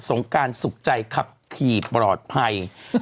งการสุขใจขับขี่ปลอดภัย